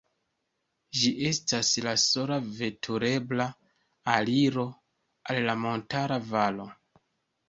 Ĝi estas la sola veturebla aliro al la montara valo.